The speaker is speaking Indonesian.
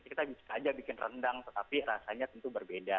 kita bisa aja bikin rendang tetapi rasanya tentu berbeda